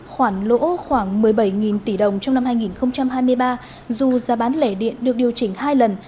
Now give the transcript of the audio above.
khoản lỗ khoảng một mươi bảy tỷ đồng trong năm hai nghìn hai mươi ba dù giá bán lẻ điện được điều chỉnh hai lần